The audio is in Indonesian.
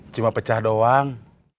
cuma pecah doang